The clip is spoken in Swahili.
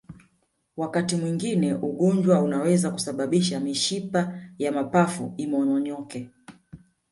Wakati mwingine ugonjwa unaweza kusababisha mshipa wa mapafu imomonyoke